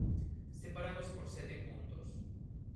Separados por sete puntos.